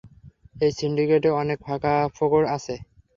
এই সিন্ডিকেটে অনেক ফাঁকফোকর আছে।